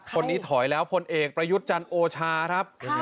คนนี้ถอยแล้วพลเอกประยุทธ์จันโอชาครับ